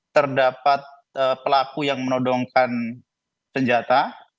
terdapat pelaku yang menodongkan senjata